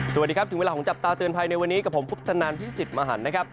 สวัสดีครับถึงเวลาของจับตาเตือนภัยในวันนี้กับผมพุทธนันพี่สิทธิ์มหันนะครับ